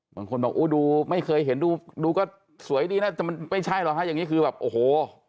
บางคนบอกอู้ดูไม่เคยเห็นดูก็สวยดีนะแต่มันไม่ใช่หรอกฮะอย่างนี้คือแบบโอ้โห